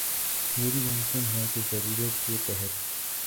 یہ بھی ممکن ہے کہہ ضرورت کے تحت